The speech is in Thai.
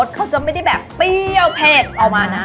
แต่รสไม่แบบเปรี้ยวเพดเอามานะ